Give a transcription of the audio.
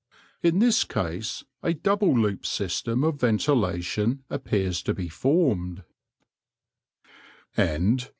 In this case a double loop system of ventilation appears to be formed.